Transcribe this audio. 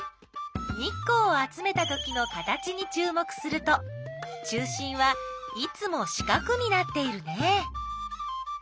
日光を集めたときの形にちゅう目すると中心はいつも四角になっているね。